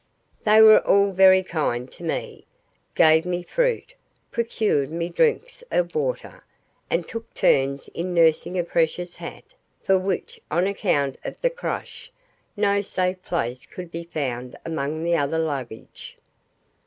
They were all very kind to me gave me fruit, procured me drinks of water, and took turns in nursing a precious hat, for which, on account of the crush, no safe place could be found among the other luggage.